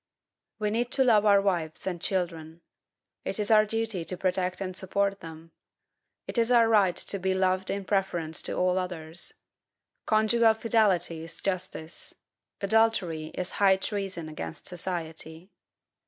We need to love our wives and children. It is our duty to protect and support them. It is our right to be loved in preference to all others. Conjugal fidelity is justice. Adultery is high treason against society.